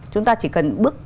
chúng ta chỉ cần bước